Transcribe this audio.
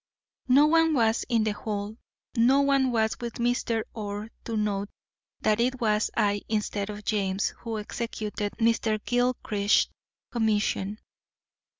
No one was in the hall, no one was with Mr. Orr to note that it was I instead of James who executed Mr. Gilchrist's commission.